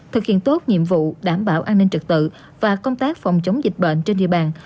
thực hiện tốt nhiệm vụ đảm bảo an ninh trật tự và công tác phòng chống dịch bệnh trên địa bàn